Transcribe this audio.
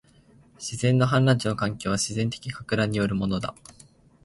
自然の氾濫地の環境は、自然的撹乱によるものだ